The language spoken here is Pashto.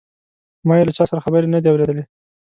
ما یې له چا سره خبرې نه دي اوریدلې.